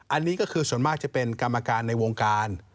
อันนี้ก็คือส่วนมากจะเป็นกรรมการในวงการ